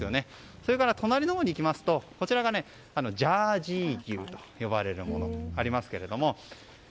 それから隣のほうにいきますとこちら、ジャージー牛と呼ばれるものになりますけども。